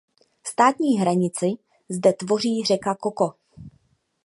Státní hranici zde tvoří řeka Coco.